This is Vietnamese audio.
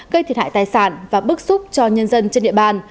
gây thiệt hại tài sản và bức xúc cho nhân dân trên địa bàn